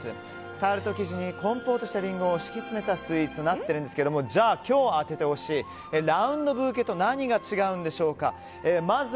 タルト生地にコンポートしたリンゴを敷き詰めたスイーツとなっているんですが今日当ててほしいラウンドブーケと何が違うんでしょうか。